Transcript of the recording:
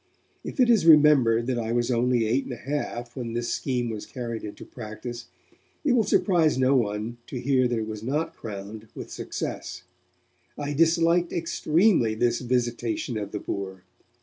If it is remembered that I was only eight and a half when this scheme was carried into practice, it will surprise no one to hear that it was not crowned with success. I disliked extremely this visitation of the poor.